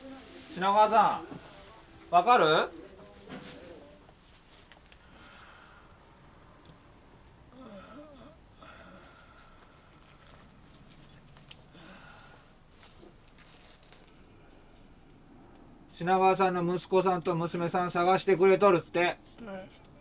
品川さんの息子さんと娘さん探してくれとるって。